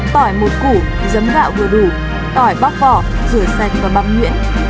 tỏi một củ giấm gạo vừa đủ tỏi bóc vỏ rửa sạch và băm nhuyễn